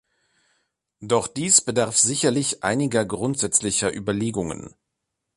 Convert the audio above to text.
Doch dies bedarf sicherlich einiger grundsätzlicher Überlegungen.